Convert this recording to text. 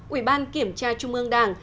ủy ban kiểm tra trung ương đảng